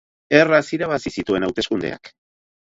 Erraz irabazi zituen hauteskundeak.